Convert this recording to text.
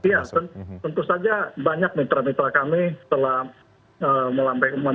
ya tentu saja banyak mitra mitra kami telah menyampaikan pertanyaan pertanyaan ke kami